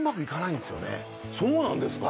そうなんですか。